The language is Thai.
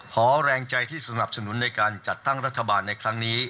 แรงใจที่สนับสนุนในการจัดตั้งรัฐบาลในครั้งนี้